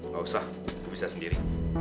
gak usah itu bisa sendiri